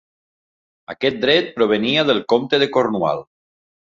Aquest dret provenia del comte de Cornwall.